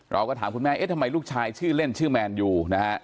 เราก็ถามคุณแม่เอ๊ะทำไมลูกชายชื่อเล่นชื่อแมนยูนะฮะ